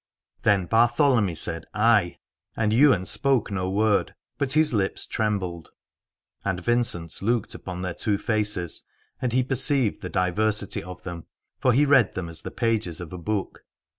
Then Bartholomy said Ay: and Ywain spoke no word, but his lips trembled. And Vincent looked upon their two faces, and he perceived the diversity of them, for he read them as the pages of a book.